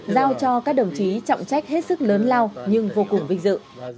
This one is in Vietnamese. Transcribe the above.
giao cho các đồng chí trọng trách hết sức lớn lao nhưng vô cùng vinh dự